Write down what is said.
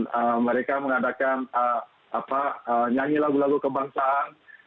dan mereka mengadakan nyanyi lagu lagu kebangsaan